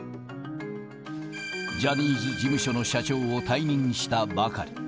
ジャニーズ事務所の社長を退任したばかり。